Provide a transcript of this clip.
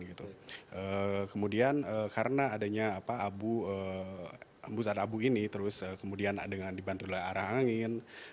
kemudian karena adanya embusan abu ini terus kemudian dengan dibantu oleh arah angin